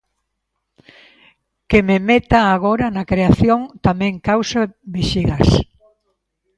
Que me meta agora na creación tamén causa vexigas.